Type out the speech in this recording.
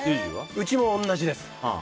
うちも同じです。